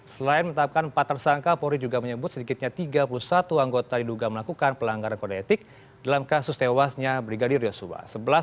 selain menetapkan empat tersangka polri juga menyebut sedikitnya tiga puluh satu anggota diduga melakukan pelanggaran kode etik dalam kasus tewasnya brigadir yosua